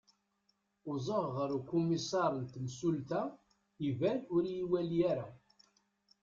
uẓaɣ ɣer ukumisar n temsulta iban ur iyi-iwali ara